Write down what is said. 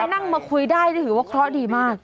นี่ก็นั่งมาคุยได้ถือว่าเคราะห์ดีมาก